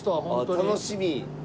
楽しみ。